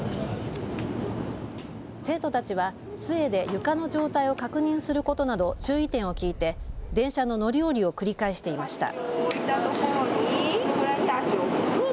生徒たちは、つえで床の状態を確認することなど注意点を聞いて電車の乗り降りを繰り返していました。